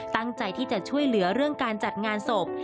ตั้งใจที่จะช่วยเหลือเรื่องการจัดงานศพ